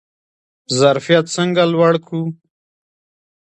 ظرفیت څنګه لوړ کړو؟